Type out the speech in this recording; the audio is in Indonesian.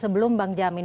sebelum bang jamin